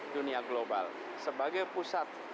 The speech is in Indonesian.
dunia global sebagai pusat